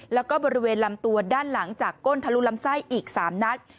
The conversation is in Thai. แล้วก็บริเวณลำตัวด้านหลังจากก้นทะลุลำไส้อีก๓นัด